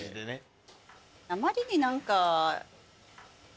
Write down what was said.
あまりに何か。